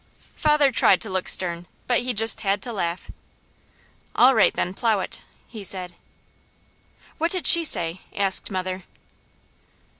Father tried to look stern, but he just had to laugh. "All right then, plow it!" he said. "What did she say?" asked mother.